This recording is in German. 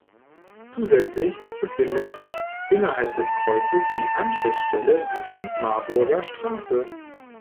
Zusätzlich befindet sich innerhalb des Kreuzes die Anschlussstelle „Gießen-Marburger Straße“.